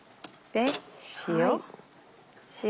塩。